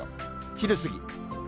昼過ぎ。